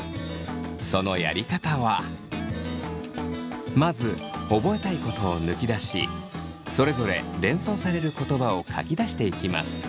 そのやり方はまず覚えたいことを抜き出しそれぞれ連想される言葉を書き出していきます。